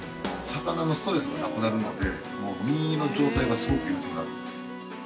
魚のストレスがなくなるので身の状態が、すごくよくなる。